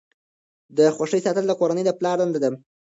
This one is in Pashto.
د خوښۍ ساتل د کورنۍ د پلار دنده ده.